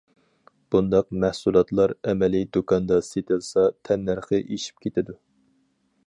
بۇنداق مەھسۇلاتلار ئەمەلىي دۇكاندا سېتىلسا تەننەرخى ئېشىپ كېتىدۇ.